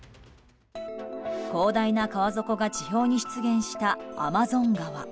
広大な川底が地表に出現したアマゾン川。